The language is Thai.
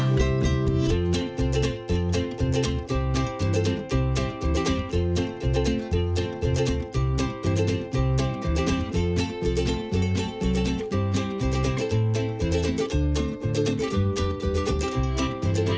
มันดีมาก